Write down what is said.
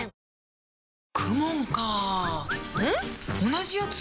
同じやつ？